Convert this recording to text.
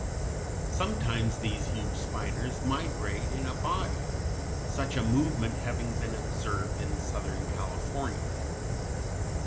Sometimes these huge spiders migrate in a body, such a movement having been observed in southern California.